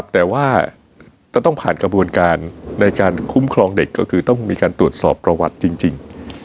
แต่ว่าจะต้องผ่านกระบวนการในการคุ้มครองเด็กก็คือต้องมีการตรวจสอบประวัติจริง